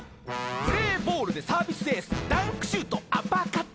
「プレーボールでサービスエースダンクシュートアッパーカット」